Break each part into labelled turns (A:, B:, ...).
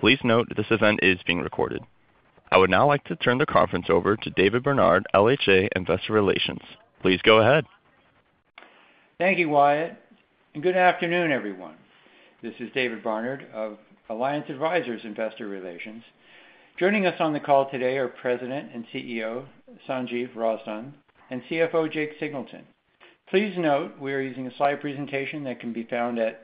A: Please note that this event is being recorded. I would now like to turn the conference over to David Barnard, LHA Investor Relations. Please go ahead.
B: Thank you, Wyatt. And good afternoon, everyone. This is David Barnard of Alliance Advisors Investor Relations. Joining us on the call today are President and CEO Sanjiv Razdan and CFO Jake Singleton. Please note we are using a slide presentation that can be found at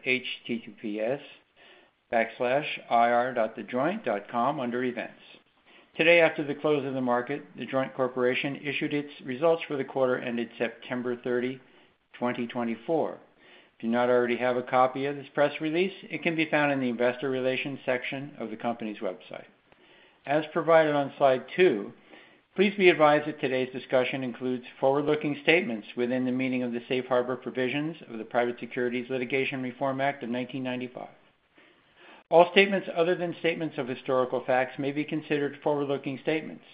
B: https://ir.thejoint.com under Events. Today, after the close of the market, The Joint Corp. issued its results for the quarter ended September 30, 2024. If you do not already have a copy of this press release, it can be found in the Investor Relations section of the company's website. As provided on slide two, please be advised that today's discussion includes forward-looking statements within the meaning of the safe harbor provisions of the Private Securities Litigation Reform Act of 1995. All statements other than statements of historical facts may be considered forward-looking statements.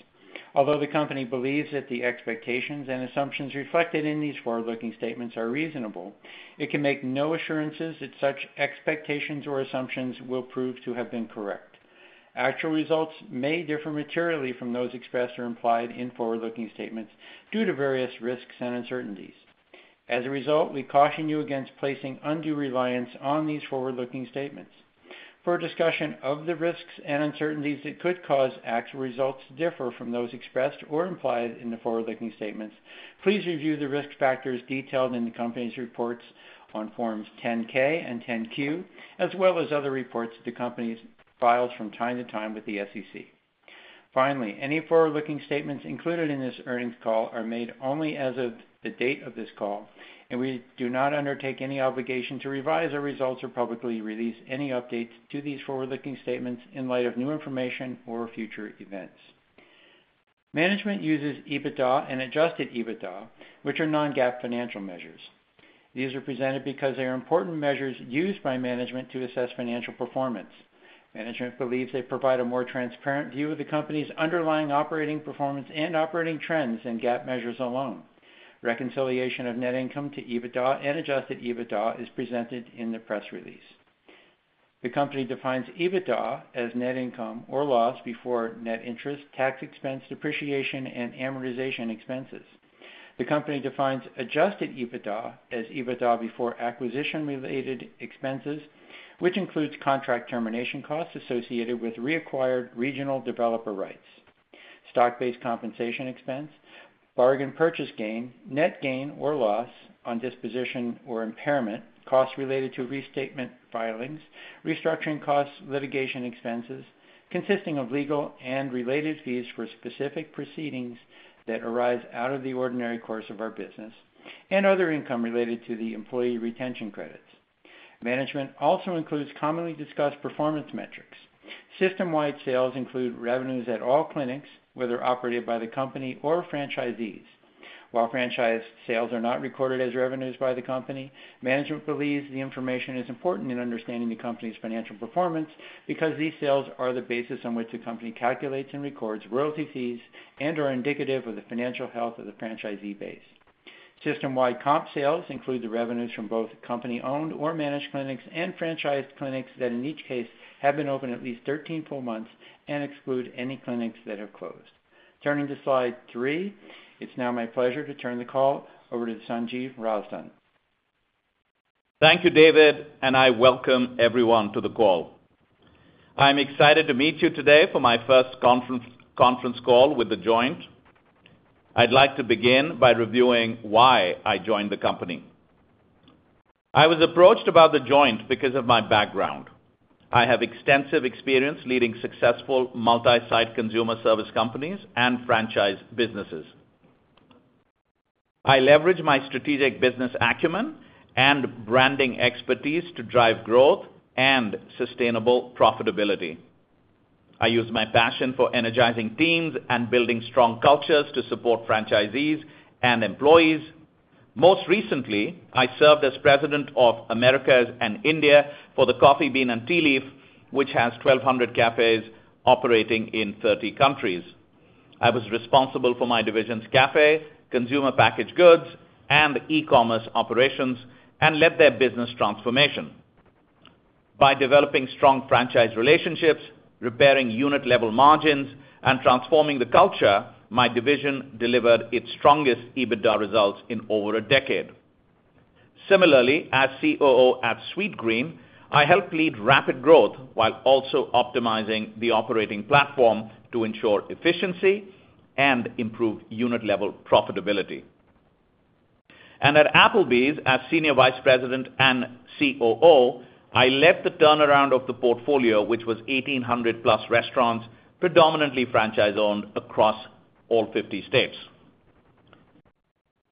B: Although the company believes that the expectations and assumptions reflected in these forward-looking statements are reasonable, it can make no assurances that such expectations or assumptions will prove to have been correct. Actual results may differ materially from those expressed or implied in forward-looking statements due to various risks and uncertainties. As a result, we caution you against placing undue reliance on these forward-looking statements. For a discussion of the risks and uncertainties that could cause actual results to differ from those expressed or implied in the forward-looking statements, please review the risk factors detailed in the company's reports on Form 10-K and Form 10-Q, as well as other reports the company files from time to time with the SEC. Finally, any forward-looking statements included in this earnings call are made only as of the date of this call, and we do not undertake any obligation to revise our results or publicly release any updates to these forward-looking statements in light of new information or future events. Management uses EBITDA and adjusted EBITDA, which are non-GAAP financial measures. These are presented because they are important measures used by management to assess financial performance. Management believes they provide a more transparent view of the company's underlying operating performance and operating trends than GAAP measures alone. Reconciliation of net income to EBITDA and adjusted EBITDA is presented in the press release. The company defines EBITDA as net income or loss before net interest, tax expense, depreciation, and amortization expenses. The company defines Adjusted EBITDA as EBITDA before acquisition-related expenses, which includes contract termination costs associated with reacquired regional developer rights, stock-based compensation expense, bargain purchase gain, net gain or loss on disposition or impairment, costs related to restatement filings, restructuring costs, litigation expenses consisting of legal and related fees for specific proceedings that arise out of the ordinary course of our business, and other income related to the Employee Retention Credits. Management also includes commonly discussed performance metrics. System-wide Sales include revenues at all clinics, whether operated by the company or franchisees. While franchise sales are not recorded as revenues by the company, management believes the information is important in understanding the company's financial performance because these sales are the basis on which the company calculates and records royalty fees and are indicative of the financial health of the franchisee base. System-wide Comp Sales include the revenues from both company-owned or managed clinics and franchised clinics that, in each case, have been open at least 13 full months and exclude any clinics that have closed. Turning to slide three, it's now my pleasure to turn the call over to Sanjiv Razdan.
C: Thank you, David, and I welcome everyone to the call. I'm excited to meet you today for my first conference call with The Joint. I'd like to begin by reviewing why I joined the company. I was approached about The Joint because of my background. I have extensive experience leading successful multi-site consumer service companies and franchise businesses. I leverage my strategic business acumen and branding expertise to drive growth and sustainable profitability. I use my passion for energizing teams and building strong cultures to support franchisees and employees. Most recently, I served as President of Americas and India for The Coffee Bean & Tea Leaf, which has 1,200 cafes operating in 30 countries. I was responsible for my division's cafe, consumer packaged goods, and e-commerce operations and led their business transformation. By developing strong franchise relationships, repairing unit-level margins, and transforming the culture, my division delivered its strongest EBITDA results in over a decade. Similarly, as COO at Sweetgreen, I helped lead rapid growth while also optimizing the operating platform to ensure efficiency and improve unit-level profitability. And at Applebee's, as Senior Vice President and COO, I led the turnaround of the portfolio, which was 1,800+ restaurants, predominantly franchise-owned, across all 50 states.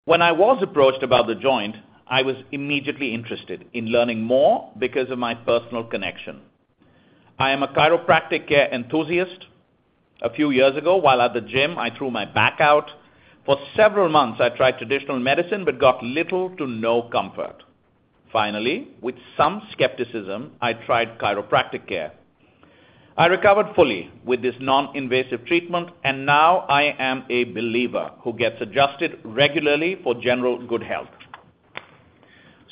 C: When I was approached about The Joint, I was immediately interested in learning more because of my personal connection. I am a chiropractic care enthusiast. A few years ago, while at the gym, I threw my back out. For several months, I tried traditional medicine but got little to no comfort. Finally, with some skepticism, I tried chiropractic care. I recovered fully with this non-invasive treatment, and now I am a believer who gets adjusted regularly for general good health.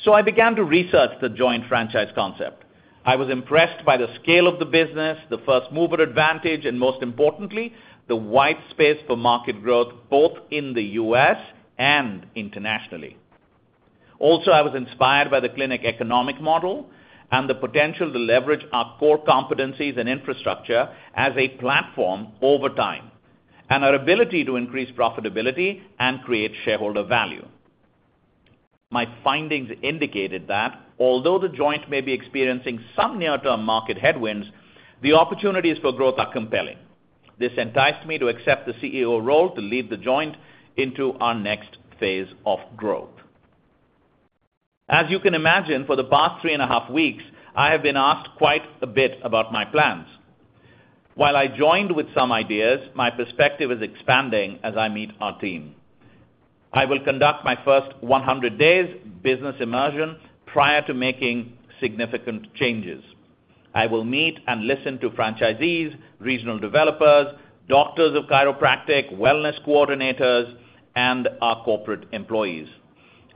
C: So I began to research The Joint franchise concept. I was impressed by the scale of the business, the first-mover advantage, and most importantly, the white space for market growth both in the U.S. and internationally. Also, I was inspired by the clinic economic model and the potential to leverage our core competencies and infrastructure as a platform over time and our ability to increase profitability and create shareholder value. My findings indicated that although The Joint may be experiencing some near-term market headwinds, the opportunities for growth are compelling. This enticed me to accept the CEO role to lead The Joint into our next phase of growth. As you can imagine, for the past three and a half weeks, I have been asked quite a bit about my plans. While I joined with some ideas, my perspective is expanding as I meet our team. I will conduct my first 100 days business immersion prior to making significant changes. I will meet and listen to franchisees, regional developers, doctors of chiropractic, wellness coordinators, and our corporate employees.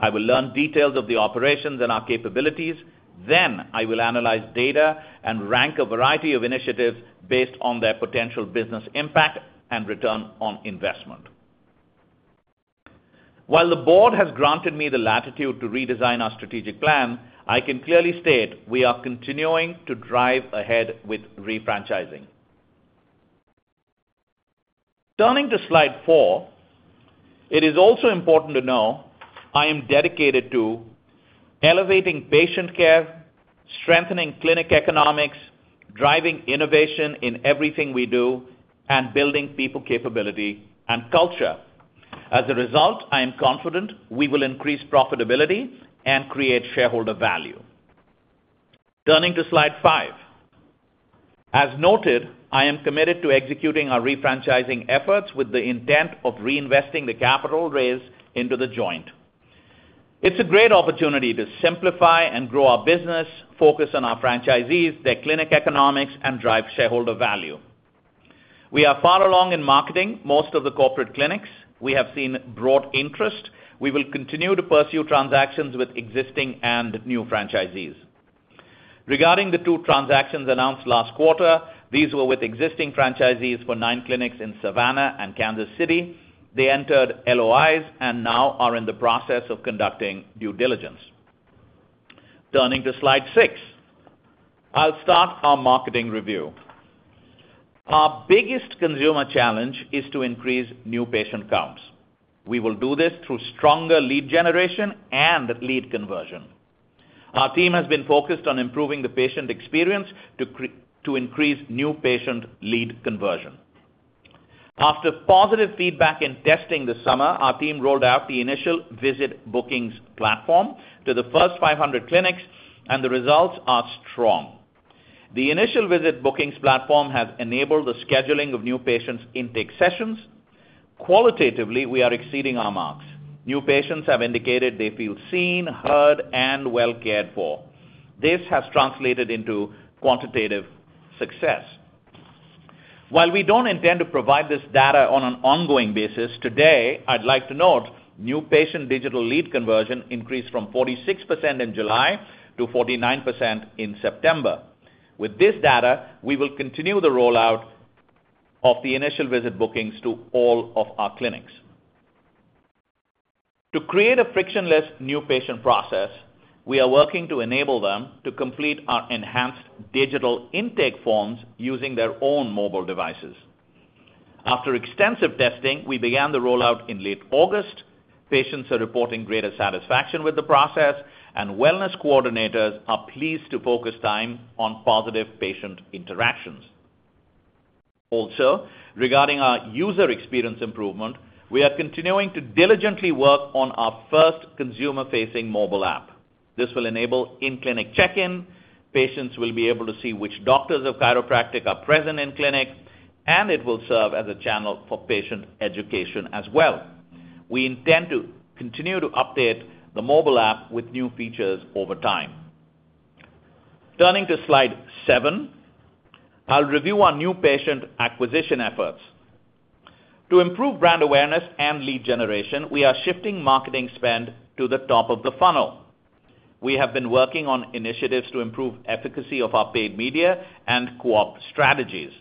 C: I will learn details of the operations and our capabilities. Then I will analyze data and rank a variety of initiatives based on their potential business impact and return on investment. While the Board has granted me the latitude to redesign our strategic plan, I can clearly state we are continuing to drive ahead with refranchising. Turning to slide four, it is also important to know I am dedicated to elevating patient care, strengthening clinic economics, driving innovation in everything we do, and building people capability and culture. As a result, I am confident we will increase profitability and create shareholder value. Turning to slide five, as noted, I am committed to executing our refranchising efforts with the intent of reinvesting the capital raised into The Joint. It's a great opportunity to simplify and grow our business, focus on our franchisees, their clinic economics, and drive shareholder value. We are far along in marketing most of the corporate clinics. We have seen broad interest. We will continue to pursue transactions with existing and new franchisees. Regarding the two transactions announced last quarter, these were with existing franchisees for nine clinics in Savannah and Kansas City. They entered LOIs and now are in the process of conducting due diligence. Turning to slide six, I'll start our marketing review. Our biggest consumer challenge is to increase new patient counts. We will do this through stronger lead generation and lead conversion. Our team has been focused on improving the patient experience to increase new patient lead conversion. After positive feedback in testing this summer, our team rolled out the Initial Visit Bookings Platform to the first 500 clinics, and the results are strong. The Initial Visit Bookings Platform has enabled the scheduling of new patients' intake sessions. Qualitatively, we are exceeding our marks. New patients have indicated they feel seen, heard, and well cared for. This has translated into quantitative success. While we don't intend to provide this data on an ongoing basis, today, I'd like to note new patient digital lead conversion increased from 46% in July to 49% in September. With this data, we will continue the rollout of the initial visit bookings to all of our clinics. To create a frictionless new patient process, we are working to enable them to complete our enhanced digital intake forms using their own mobile devices. After extensive testing, we began the rollout in late August. Patients are reporting greater satisfaction with the process, and wellness coordinators are pleased to focus time on positive patient interactions. Also, regarding our user experience improvement, we are continuing to diligently work on our first consumer-facing mobile app. This will enable in-clinic check-in. Patients will be able to see which doctors of chiropractic are present in clinic, and it will serve as a channel for patient education as well. We intend to continue to update the mobile app with new features over time. Turning to slide seven, I'll review our new patient acquisition efforts. To improve brand awareness and lead generation, we are shifting marketing spend to the top of the funnel. We have been working on initiatives to improve efficacy of our paid media and co-op strategies.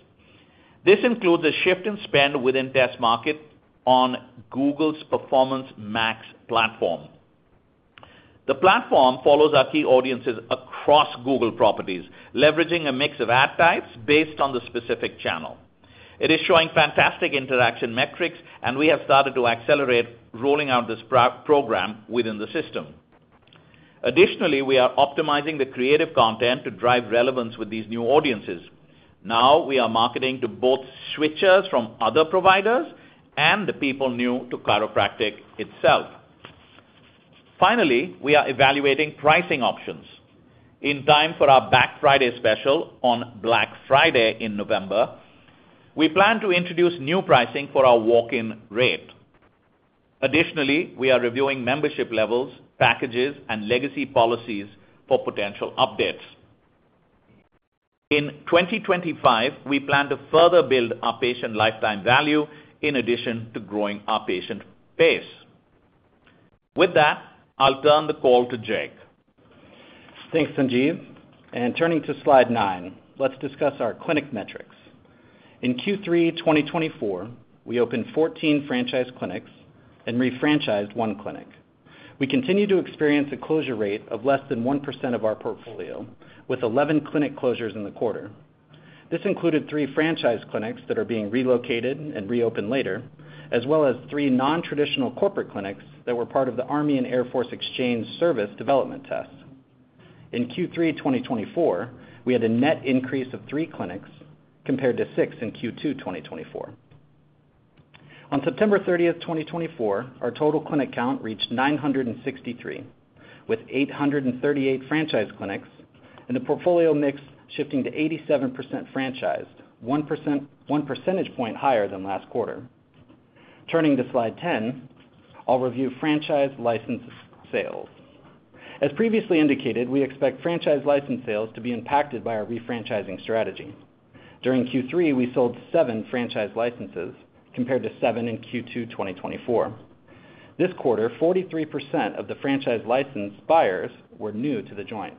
C: This includes a shift in spend within test market on Google's Performance Max platform. The platform follows our key audiences across Google properties, leveraging a mix of ad types based on the specific channel. It is showing fantastic interaction metrics, and we have started to accelerate rolling out this program within the system. Additionally, we are optimizing the creative content to drive relevance with these new audiences. Now we are marketing to both switchers from other providers and the people new to chiropractic itself. Finally, we are evaluating pricing options. In time for our Black Friday special on Black Friday in November, we plan to introduce new pricing for our walk-in rate. Additionally, we are reviewing membership levels, packages, and legacy policies for potential updates. In 2025, we plan to further build our patient lifetime value in addition to growing our patient base. With that, I'll turn the call to Jake.
D: Thanks, Sanjiv. And turning to slide nine, let's discuss our clinic metrics. In Q3 2024, we opened 14 franchise clinics and refranchised one clinic. We continue to experience a closure rate of less than 1% of our portfolio, with 11 clinic closures in the quarter. This included three franchise clinics that are being relocated and reopened later, as well as three non-traditional corporate clinics that were part of the Army and Air Force Exchange Service development test. In Q3 2024, we had a net increase of three clinics compared to six in Q2 2024. On September 30th, 2024, our total clinic count reached 963, with 838 franchise clinics, and the portfolio mix shifting to 87% franchised, 1 percentage point higher than last quarter. Turning to slide 10, I'll review franchise license sales. As previously indicated, we expect franchise license sales to be impacted by our refranchising strategy. During Q3, we sold seven franchise licenses compared to seven in Q2 2024. This quarter, 43% of the franchise license buyers were new to The Joint.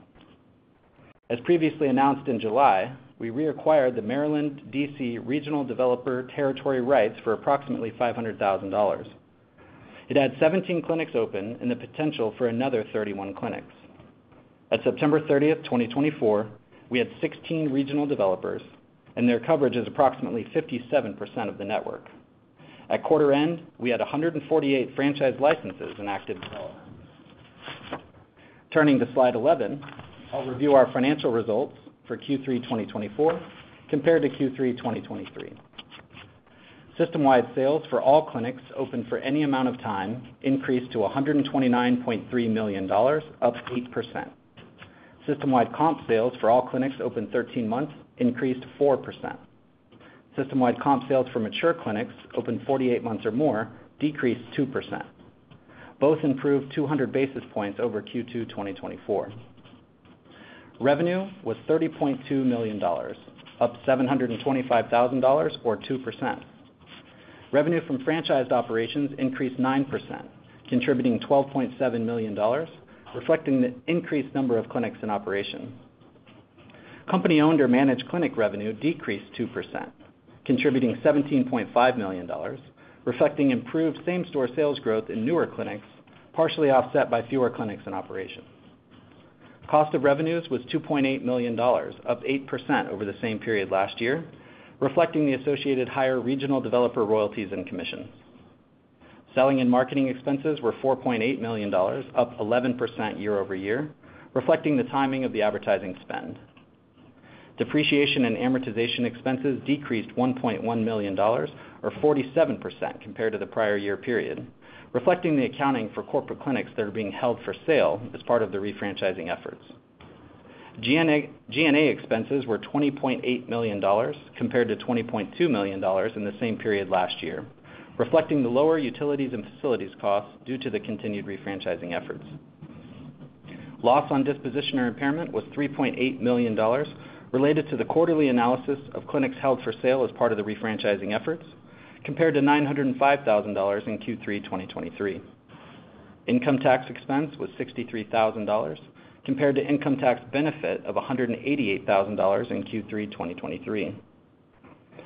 D: As previously announced in July, we reacquired the Maryland D.C. regional developer territory rights for approximately $500,000. It adds 17 clinics open and the potential for another 31 clinics. At September 30th, 2024, we had 16 regional developers, and their coverage is approximately 57% of the network. At quarter end, we had 148 franchise licenses in active development. Turning to slide 11, I'll review our financial results for Q3 2024 compared to Q3 2023. System-wide sales for all clinics open for any amount of time increased to $129.3 million, up 8%. System-wide comp sales for all clinics open 13 months increased 4%. System-wide comp sales for mature clinics open 48 months or more decreased 2%. Both improved 200 basis points over Q2 2024. Revenue was $30.2 million, up $725,000, or 2%. Revenue from franchised operations increased 9%, contributing $12.7 million, reflecting the increased number of clinics in operation. Company-owned or managed clinic revenue decreased 2%, contributing $17.5 million, reflecting improved same-store sales growth in newer clinics, partially offset by fewer clinics in operation. Cost of revenues was $2.8 million, up 8% over the same period last year, reflecting the associated higher regional developer royalties and commissions. Selling and marketing expenses were $4.8 million, up 11% year-over-year, reflecting the timing of the advertising spend. Depreciation and amortization expenses decreased $1.1 million, or 47% compared to the prior year period, reflecting the accounting for corporate clinics that are being held for sale as part of the refranchising efforts. G&A expenses were $20.8 million compared to $20.2 million in the same period last year, reflecting the lower utilities and facilities costs due to the continued refranchising efforts. Loss on disposition or impairment was $3.8 million related to the quarterly analysis of clinics held for sale as part of the refranchising efforts, compared to $905,000 in Q3 2023. Income tax expense was $63,000, compared to income tax benefit of $188,000 in Q3 2023.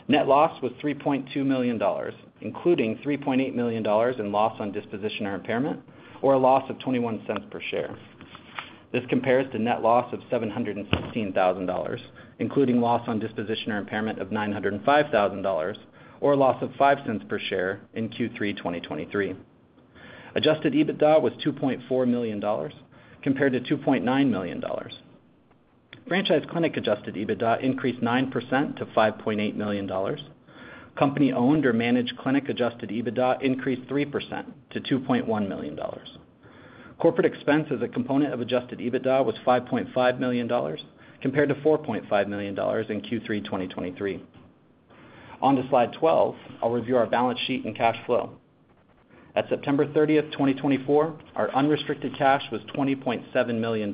D: Net loss was $3.2 million, including $3.8 million in loss on disposition or impairment, or a loss of $0.21 per share. This compares to net loss of $716,000, including loss on disposition or impairment of $905,000, or a loss of $0.05 per share in Q3 2023. Adjusted EBITDA was $2.4 million, compared to $2.9 million. Franchise clinic Adjusted EBITDA increased 9% to $5.8 million. Company-owned or managed clinic Adjusted EBITDA increased 3% to $2.1 million. Corporate expense as a component of Adjusted EBITDA was $5.5 million, compared to $4.5 million in Q3 2023. On to slide 12, I'll review our balance sheet and cash flow. At September 30th, 2024, our unrestricted cash was $20.7 million,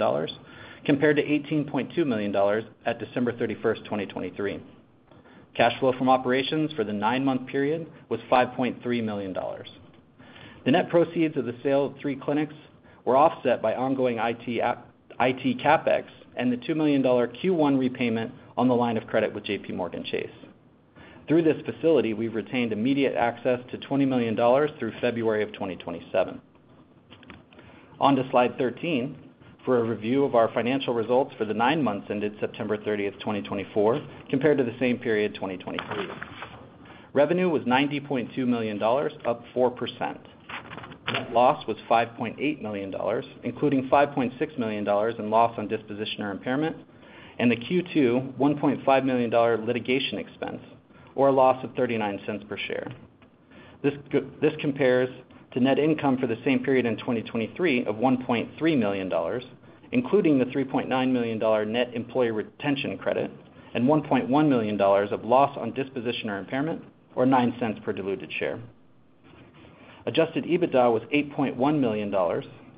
D: compared to $18.2 million at December 31st, 2023. Cash flow from operations for the nine-month period was $5.3 million. The net proceeds of the sale of three clinics were offset by ongoing IT CapEx and the $2 million Q1 repayment on the line of credit with JPMorgan Chase. Through this facility, we've retained immediate access to $20 million through February of 2027. On to slide 13 for a review of our financial results for the nine months ended September 30th, 2024, compared to the same period 2023. Revenue was $90.2 million, up 4%. Net loss was $5.8 million, including $5.6 million in loss on disposition or impairment, and the Q2 $1.5 million litigation expense, or a loss of $0.39 per share. This compares to net income for the same period in 2023 of $1.3 million, including the $3.9 million net employee retention credit and $1.1 million of loss on disposition or impairment, or $0.09 per diluted share. Adjusted EBITDA was $8.1 million,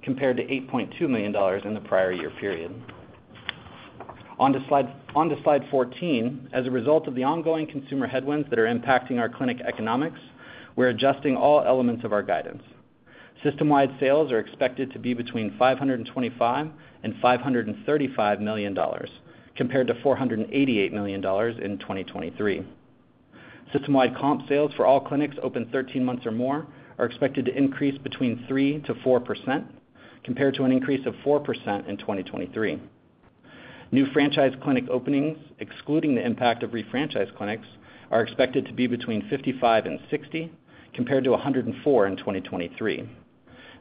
D: compared to $8.2 million in the prior year period. On to slide 14. As a result of the ongoing consumer headwinds that are impacting our clinic economics, we're adjusting all elements of our guidance. System-wide Sales are expected to be between $525 million and $535 million, compared to $488 million in 2023. System-wide Comp Sales for all clinics open 13 months or more are expected to increase between 3%-4%, compared to an increase of 4% in 2023. New franchise clinic openings, excluding the impact of refranchised clinics, are expected to be between 55 and 60, compared to 104 in 2023.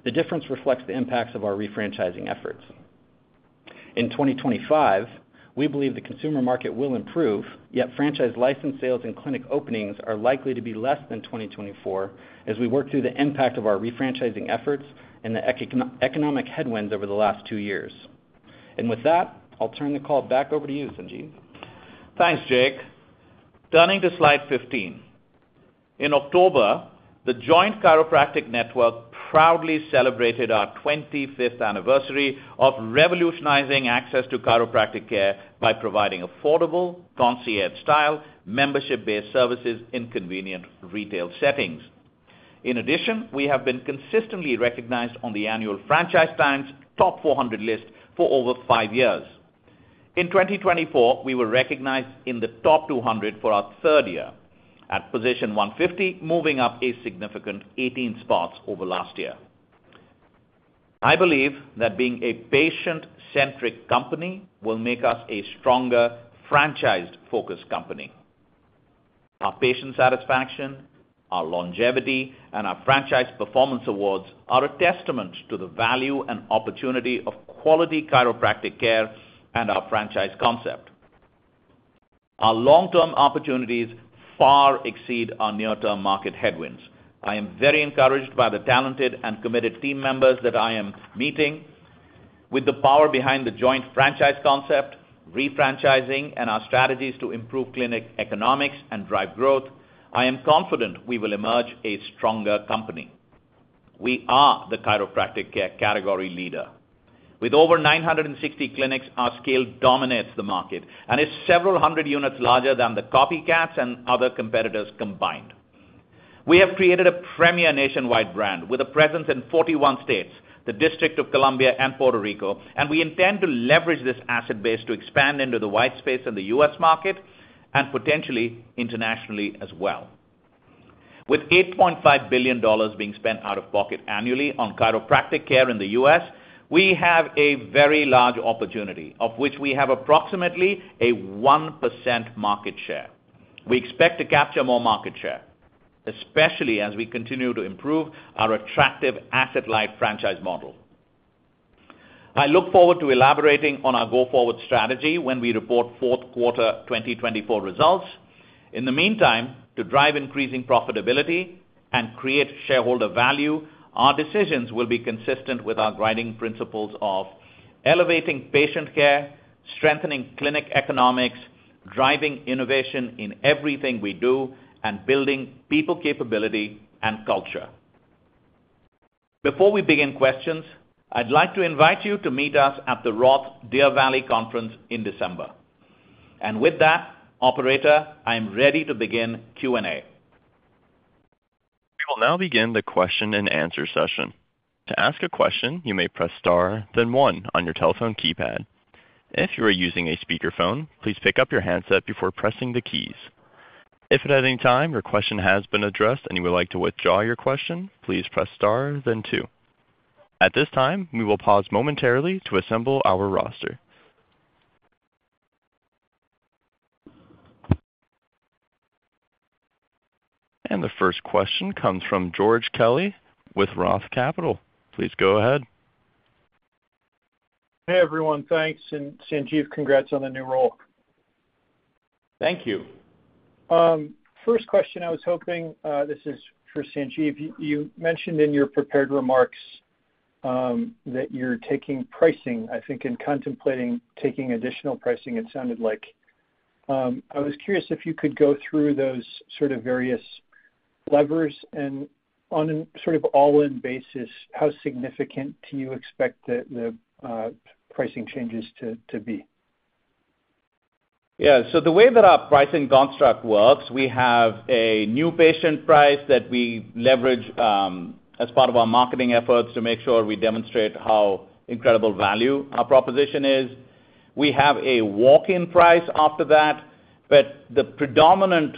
D: The difference reflects the impacts of our refranchising efforts. In 2025, we believe the consumer market will improve, yet franchise license sales and clinic openings are likely to be less than 2024 as we work through the impact of our refranchising efforts and the economic headwinds over the last two years. And with that, I'll turn the call back over to you, Sanjiv.
C: Thanks, Jake. Turning to slide 15. In October, The Joint Chiropractic network proudly celebrated our 25th anniversary of revolutionizing access to chiropractic care by providing affordable, concierge-style, membership-based services in convenient retail settings. In addition, we have been consistently recognized on the annual Franchise Times Top 400 list for over five years. In 2024, we were recognized in the top 200 for our third year, at position 150, moving up a significant 18 spots over last year. I believe that being a patient-centric company will make us a stronger franchise-focused company. Our patient satisfaction, our longevity, and our franchise performance awards are a testament to the value and opportunity of quality chiropractic care and our franchise concept. Our long-term opportunities far exceed our near-term market headwinds. I am very encouraged by the talented and committed team members that I am meeting. With the power behind The Joint franchise concept, refranchising, and our strategies to improve clinic economics and drive growth, I am confident we will emerge a stronger company. We are the chiropractic care category leader. With over 960 clinics, our scale dominates the market and is several hundred units larger than the copycats and other competitors combined. We have created a premier nationwide brand with a presence in 41 states, the District of Columbia, and Puerto Rico, and we intend to leverage this asset base to expand into the white space and the U.S. market and potentially internationally as well. With $8.5 billion being spent out of pocket annually on chiropractic care in the U.S., we have a very large opportunity, of which we have approximately a 1% market share. We expect to capture more market share, especially as we continue to improve our attractive asset-light franchise model. I look forward to elaborating on our go-forward strategy when we report fourth quarter 2024 results. In the meantime, to drive increasing profitability and create shareholder value, our decisions will be consistent with our guiding principles of elevating patient care, strengthening clinic economics, driving innovation in everything we do, and building people capability and culture. Before we begin questions, I'd like to invite you to meet us at the Roth Deer Valley Conference in December. And with that, Operator, I am ready to begin Q&A.
A: We will now begin the question-and-answer session. To ask a question, you may press star, then one on your telephone keypad. If you are using a speakerphone, please pick up your handset before pressing the keys. If at any time your question has been addressed and you would like to withdraw your question, please press star, then two. At this time, we will pause momentarily to assemble our roster. And the first question comes from George Kelly with Roth Capital. Please go ahead.
E: Hey, everyone. Thanks. And Sanjiv, congrats on the new role.
C: Thank you.
E: First question. I was hoping this is for Sanjiv. You mentioned in your prepared remarks that you're taking pricing, I think, and contemplating taking additional pricing, it sounded like. I was curious if you could go through those sort of various levers and on a sort of all-in basis, how significant do you expect the pricing changes to be?
C: Yeah. So the way that our pricing construct works, we have a new patient price that we leverage as part of our marketing efforts to make sure we demonstrate how incredible value our proposition is. We have a walk-in price after that, but the predominant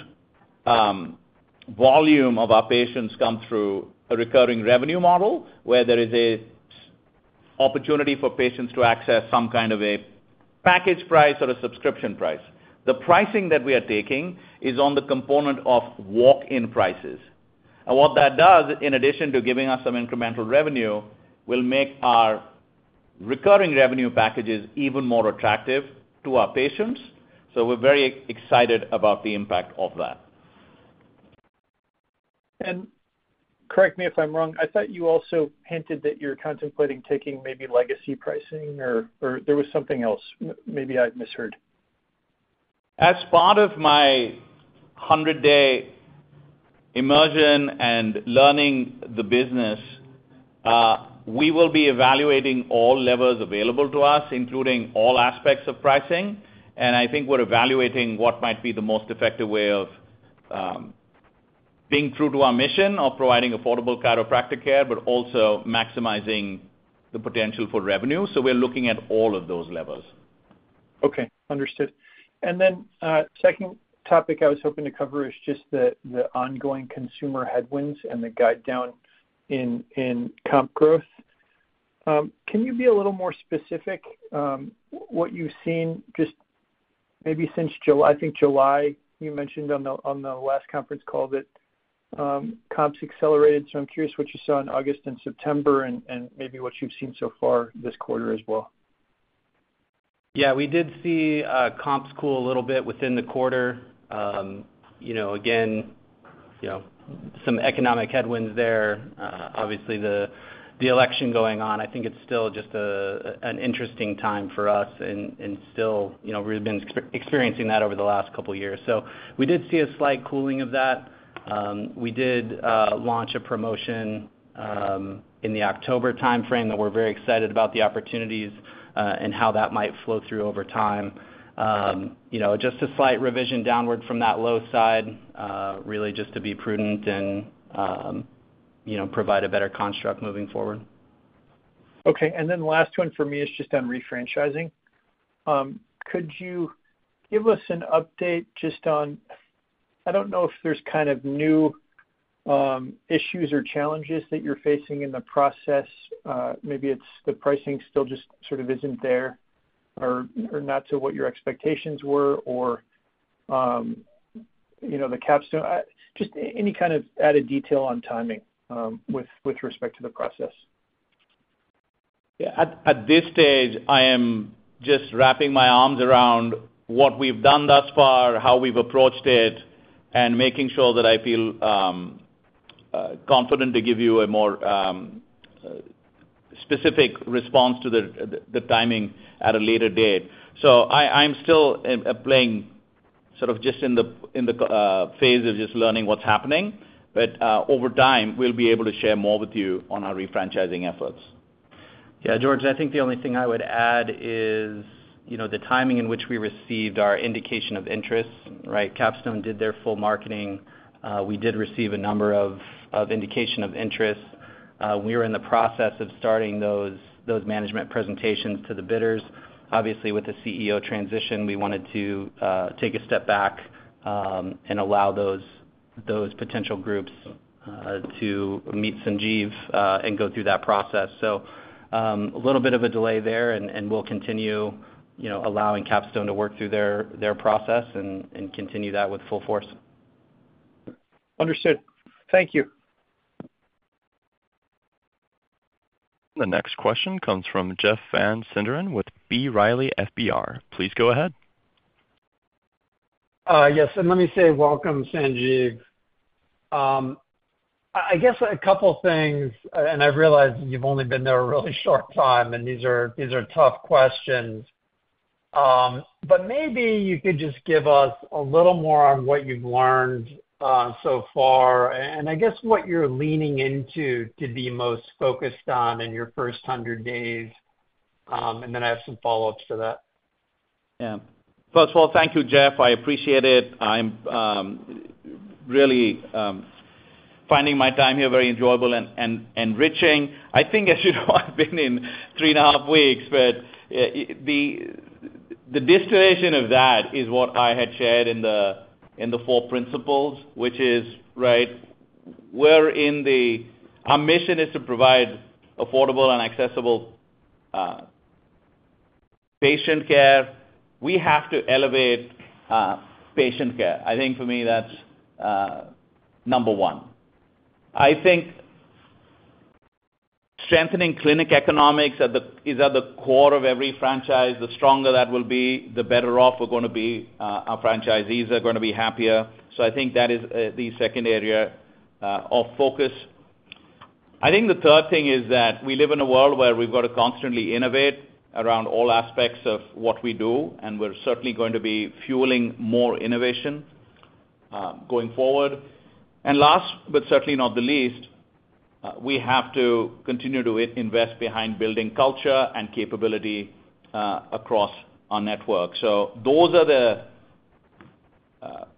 C: volume of our patients comes through a recurring revenue model where there is an opportunity for patients to access some kind of a package price or a subscription price. The pricing that we are taking is on the component of walk-in prices. And what that does, in addition to giving us some incremental revenue, will make our recurring revenue packages even more attractive to our patients. So we're very excited about the impact of that.
E: And correct me if I'm wrong. I thought you also hinted that you're contemplating taking maybe legacy pricing, or there was something else. Maybe I misheard.
C: As part of my 100-day immersion and learning the business, we will be evaluating all levers available to us, including all aspects of pricing. And I think we're evaluating what might be the most effective way of being true to our mission of providing affordable chiropractic care, but also maximizing the potential for revenue. So we're looking at all of those levers.
E: Okay. Understood. And then second topic I was hoping to cover is just the ongoing consumer headwinds and the guide down in comp growth. Can you be a little more specific what you've seen just maybe since July? I think July you mentioned on the last conference call that comps accelerated. So I'm curious what you saw in August and September and maybe what you've seen so far this quarter as well.
C: Yeah. We did see comps cool a little bit within the quarter. Again, some economic headwinds there. Obviously, the election going on, I think it's still just an interesting time for us, and still we've been experiencing that over the last couple of years. So we did see a slight cooling of that. We did launch a promotion in the October timeframe that we're very excited about the opportunities and how that might flow through over time. Just a slight revision downward from that low side, really just to be prudent and provide a better construct moving forward.
E: Okay. And then last one for me is just on refranchising. Could you give us an update just on I don't know if there's kind of new issues or challenges that you're facing in the process. Maybe it's the pricing still just sort of isn't there or not to what your expectations were or the Capstone. Just any kind of added detail on timing with respect to the process.
C: Yeah. At this stage, I am just wrapping my arms around what we've done thus far, how we've approached it, and making sure that I feel confident to give you a more specific response to the timing at a later date. So I'm still playing sort of just in the phase of just learning what's happening. But over time, we'll be able to share more with you on our refranchising efforts.
D: Yeah. George, I think the only thing I would add is the timing in which we received our indication of interest, right? Capstone did their full marketing. We did receive a number of indication of interest. We were in the process of starting those management presentations to the bidders. Obviously, with the CEO transition, we wanted to take a step back and allow those potential groups to meet Sanjiv and go through that process. So a little bit of a delay there, and we'll continue allowing Capstone to work through their process and continue that with full force.
E: Understood. Thank you.
A: The next question comes from Jeff Van Sinderen with B. Riley FBR. Please go ahead.
F: Yes. And let me say welcome, Sanjiv. I guess a couple of things, and I realize you've only been there a really short time, and these are tough questions. But maybe you could just give us a little more on what you've learned so far and I guess what you're leaning into to be most focused on in your first 100 days. And then I have some follow-ups to that.
C: Yeah. First of all, thank you, Jeff. I appreciate it. I'm really finding my time here very enjoyable and enriching. I think, as you know, I've been in three and a half weeks, but the distillation of that is what I had shared in the four principles, which is, right, we're in the our mission is to provide affordable and accessible patient care. We have to elevate patient care. I think for me, that's number one. I think strengthening clinic economics is at the core of every franchise. The stronger that will be, the better off we're going to be. Our franchisees are going to be happier. So I think that is the second area of focus. I think the third thing is that we live in a world where we've got to constantly innovate around all aspects of what we do, and we're certainly going to be fueling more innovation going forward, and last, but certainly not the least, we have to continue to invest behind building culture and capability across our network, so those are the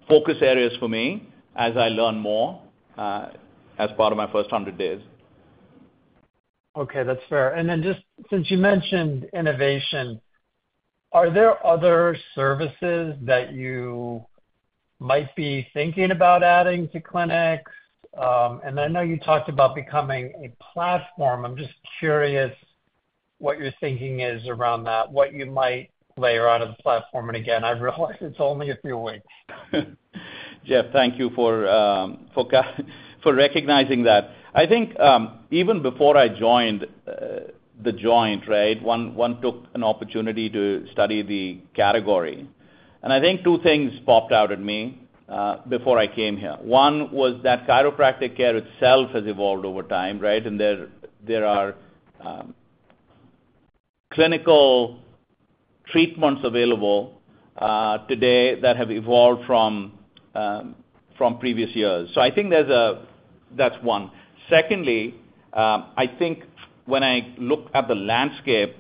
C: focus areas for me as I learn more as part of my first 100 days.
F: Okay. That's fair. And then just since you mentioned innovation, are there other services that you might be thinking about adding to clinics? And I know you talked about becoming a platform. I'm just curious what your thinking is around that, what you might layer out of the platform. And again, I realize it's only a few weeks.
C: Jeff, thank you for recognizing that. I think even before I joined the Joint, right, I took an opportunity to study the category. And I think two things popped out at me before I came here. One was that chiropractic care itself has evolved over time, right? And there are clinical treatments available today that have evolved from previous years. So I think that's one. Secondly, I think when I look at the landscape,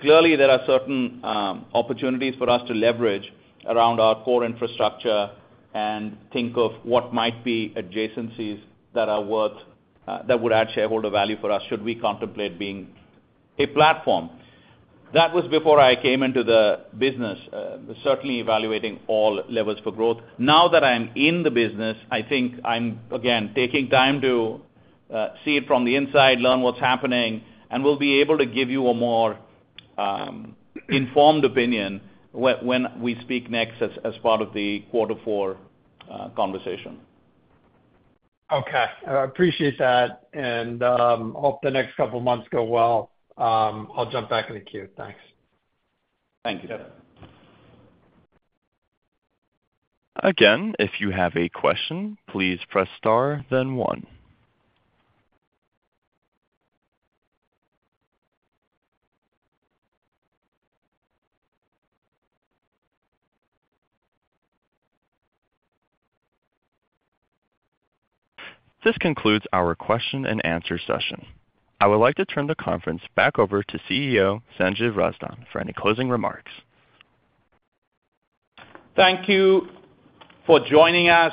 C: clearly there are certain opportunities for us to leverage around our core infrastructure and think of what might be adjacencies that would add shareholder value for us should we contemplate being a platform. That was before I came into the business, certainly evaluating all levels for growth. Now that I'm in the business, I think I'm, again, taking time to see it from the inside, learn what's happening, and we'll be able to give you a more informed opinion when we speak next as part of the quarter four conversation.
F: Okay. I appreciate that, and hope the next couple of months go well. I'll jump back in the queue. Thanks.
C: Thank you, Jeff.
A: Again, if you have a question, please press star, then one. This concludes our question-and-answer session. I would like to turn the conference back over to CEO Sanjiv Razdan for any closing remarks.
C: Thank you for joining us.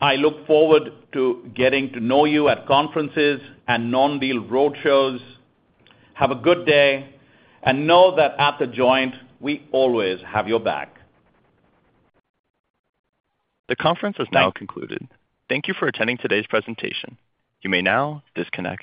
C: I look forward to getting to know you at conferences and non-deal road shows. Have a good day, and know that at The Joint, we always have your back.
A: The conference has now concluded. Thank you for attending today's presentation. You may now disconnect.